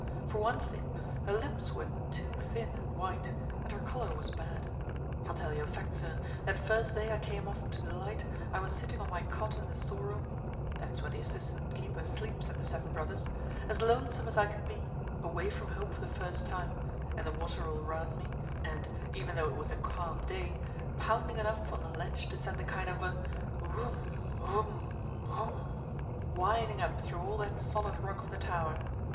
For one thing, her lips were too thin and white, and her color was bad. I'll tell you a fact, sir; that first day I came off to the Light I was sitting on my cot in the store room (that's where the assistant keeper sleeps at the Seven Brothers), as lonesome as I could be, away from home for the first time, and the water all around me, and, even though it was a calm day, pounding enough on the ledge to send a kind of a woom woom woom whining up through all that solid rock of the tower.